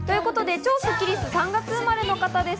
超スッキりすは３月生まれの方です。